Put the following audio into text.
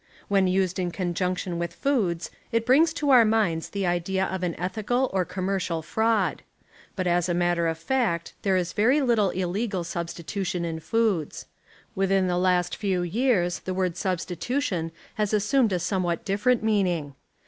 When used in connection witli foods it brings to our minds the idea of an ethical or commercial fraud. But as a matter of fact ther.e is very little illegal substitution in foods. Within the last few years the word substitution has assumed a somewhat different meaning.